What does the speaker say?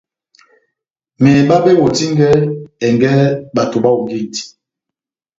Meheba mewɔtingɛni ɛngɛ bato bahongindi.